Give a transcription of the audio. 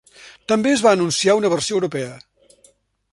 També es va anunciar una versió europea.